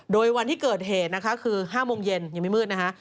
โดยวันที่เกิดเหตุนะคะคือ๕โมงเย็นยังไม่มืดนะคะ